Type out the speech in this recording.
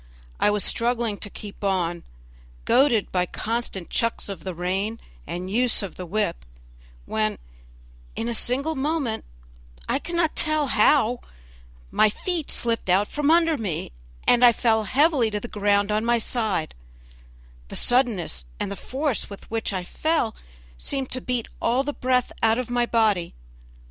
I was struggling to keep on, goaded by constant chucks of the rein and use of the whip, when in a single moment I cannot tell how my feet slipped from under me, and I fell heavily to the ground on my side; the suddenness and the force with which I fell seemed to beat all the breath out of my body.